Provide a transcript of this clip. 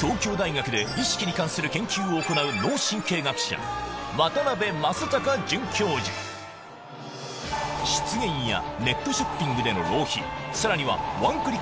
東京大学で意識に関する研究を行う失言やネットショッピングでの浪費さらにはワンクリック